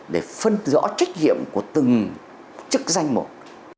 để phân rõ trách nhiệm của từng chức danh một